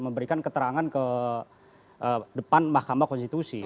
memberikan keterangan ke depan mahkamah konstitusi